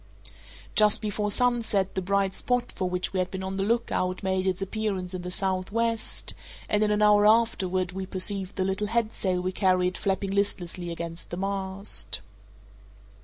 Just before sunset the bright spot for which we had been on the look out made its appearance in the southwest, and in an hour afterward we perceived the little headsail we carried flapping listlessly against the mast.